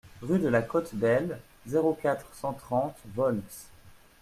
Rue de la Côte Belle, zéro quatre, cent trente Volx